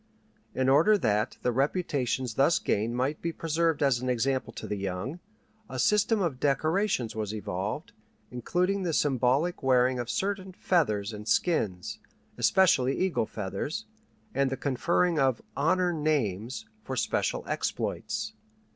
In order that the reputations thus gained might be preserved as an example to the young, a system of decorations was evolved, including the symbolic wearing of certain feathers and skins, especially eagle feathers, and the conferring of "honor names" for special exploits.